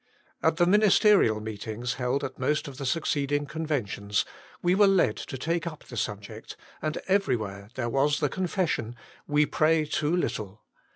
At the ministerial meetings held at most of the succeeding conventions, we were led to take up the subject, and everywhere there was the confession : We pray too little